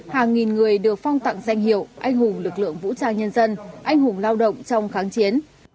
hàng nghìn người được phong tặng danh hiệu anh hùng lực lượng vũ trang nhân dân anh hùng lao động trong kháng chiến